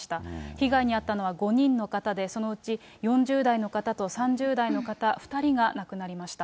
被害に遭ったのは５人の方で、そのうち４０代の方と３０代の方、２人が亡くなりました。